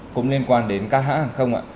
cũng liên quan đến các hãng hàng không ạ